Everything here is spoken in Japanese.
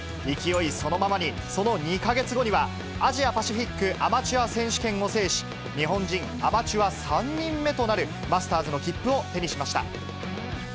勢いそのままに、その２か月後には、アジアパシフィックアマチュア選手権を制し、日本人アマチュア３人目となるマスターズの切符を手にしました。